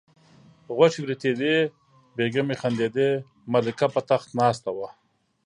غوښې وریتېدې بیګمې خندېدې ملکه په تخت ناسته وه.